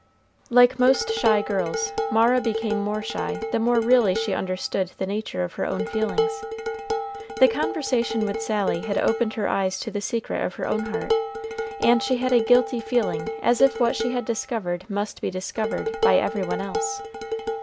Like most shy girls, Mara became more shy the more really she understood the nature of her own feelings. The conversation with Sally had opened her eyes to the secret of her own heart, and she had a guilty feeling as if what she had discovered must be discovered by every one else.